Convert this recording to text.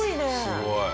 すごい。